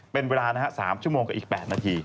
เป็นเวลานะฮะ๓ชั่วโมงกับอีก๘นาที